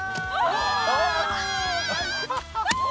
お！